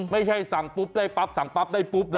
ไม่ใช่สั่งปุ๊บได้ปั๊บสั่งปั๊บได้ปุ๊บนะ